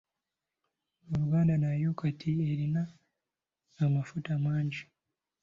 Uganda nayo kati erina amafuta mangi.